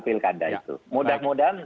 pilkada itu mudah mudahan